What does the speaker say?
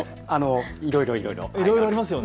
いろいろありますよね。